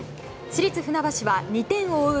市立船橋は２点を追う